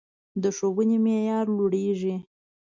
د ښوونې معیار لوړیږي